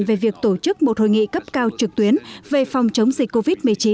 về việc tổ chức một hội nghị cấp cao trực tuyến về phòng chống dịch covid một mươi chín